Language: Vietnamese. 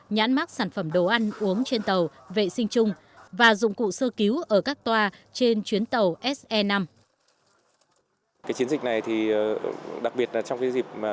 nhãn mắc sản phẩm đồ ăn uống trên tàu vệ sinh chung và dụng cụ sơ cứu ở các toa trên chuyến tàu se năm